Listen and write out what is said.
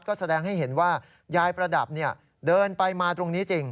ก็แสดงให้เห็นว่ายายประดับเดินไปมาตรงนี้จริง